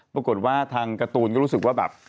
ปรากฏว่าทางการ์ตูนก็รู้สึกว่าแบบ